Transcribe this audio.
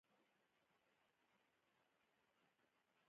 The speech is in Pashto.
احمد یا نه کوي يا د خبره کوي.